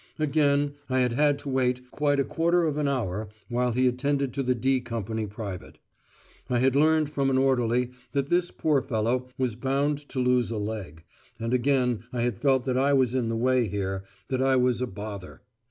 Again, I had had to wait quite a quarter of an hour, while he attended to the "D" Company private. I had learned from an orderly that this poor fellow was bound to lose a leg, and again I had felt that I was in the way here, that I was a bother.